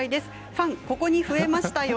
ファン、ここに増えましたよ。